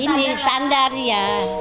ini standar ya